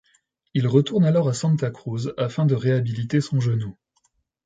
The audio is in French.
Il retourne alors à Santa Cruz afin de réhabiliter son genou.